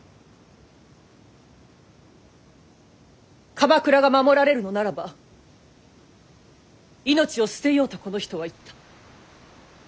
鎌倉が守られるのならば命を捨てようとこの人は言った。